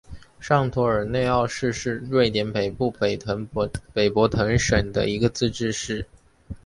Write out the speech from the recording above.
上托尔内奥市是瑞典北部北博滕省的一个自治市。